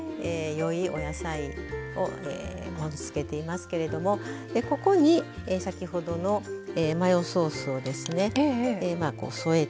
良いお野菜をえ盛りつけていますけれどもここに先ほどのマヨソースをですねえ